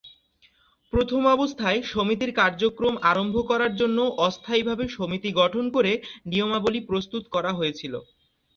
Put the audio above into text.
প্রথম অবস্থায় সমিতির কার্যক্রম আরম্ভ করার জন্য অস্থায়ীভাবে সমিতি গঠন করে নিয়মাবলী প্রস্তুত করা হয়েছিল।